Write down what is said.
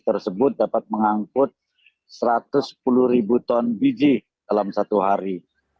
tersebut dapat mengangkut satu ratus sepuluh ribu ton biji dalam satu hari